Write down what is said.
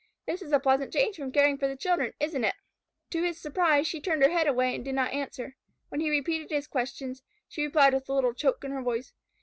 This is a pleasant change from caring for the children, isn't it?" To his surprise, she turned her head away and did not answer. When he repeated his questions, she replied with a little choke in her voice.